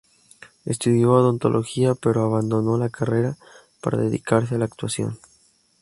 Estudió odontología, pero abandonó la carrera para dedicarse a la actuación.